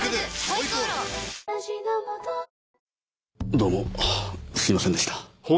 どうもすいませんでした。